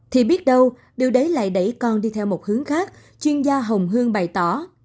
thì biết đâu điều đấy lại đẩy con đi theo một hướng khác chuyên gia hồng hương bày tỏ